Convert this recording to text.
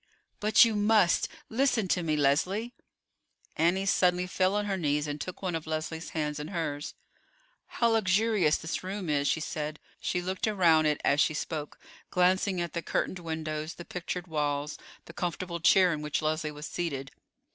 "But you must. Listen to me, Leslie." Annie suddenly fell on her knees and took one of Leslie's hands in hers. "How luxurious this room is," she said. She looked around it as she spoke, glancing at the curtained windows, the pictured walls, the comfortable chair in which Leslie was seated.